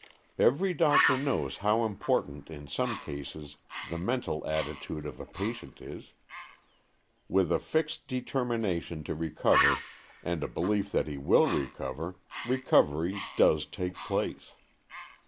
Every doctor knows how impor tant in some cases the mental attitude of a patient is. With a fixed determination to recover, and a belief that he wdll recover, recovery does take place.